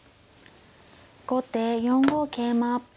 後手４五桂馬。